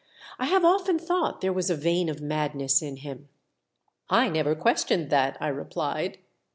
I have often thought there was a vein of madness in him." " I never questioned that," I replied.